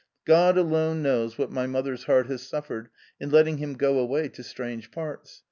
God alone knows what my mother's heart has suffered in letting him go away to strange parts.